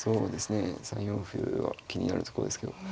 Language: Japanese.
３四歩は気になるとこですけど。